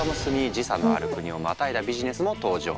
時差のある国をまたいだビジネスも登場。